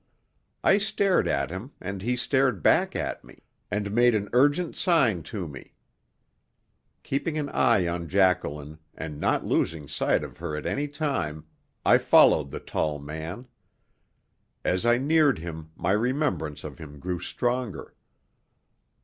I stared at him and he stared back at me, and made an urgent sign to me. Keeping an eye on Jacqueline, and not losing sight of her at any time, I followed the tall man. As I neared him my remembrance of him grew stronger.